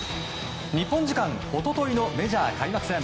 日本時間一昨日のメジャー開幕戦。